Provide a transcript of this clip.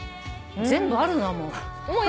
全部あるなもう。